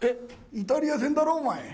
イタリア戦だろ、お前。